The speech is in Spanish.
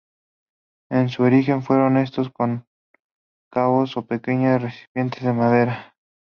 En su origen fueron cestos cóncavos o pequeños recipientes de madera.